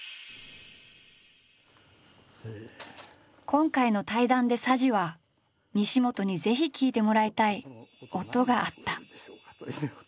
今回の対談で佐治は西本にぜひ聴いてもらいたい「音」があった。